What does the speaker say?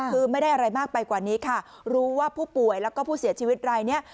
คือไม่ได้อะไรมากไปกว่านี้ค่ะรู้ว่าผู้ป่วยแล้วก็ผู้เสียชีวิตรายนี้